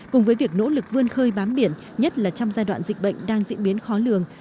cùng với việc nỗ lực vươn khơi bám biển nhất là trong giai đoạn dịch bệnh đang diễn biến khó lường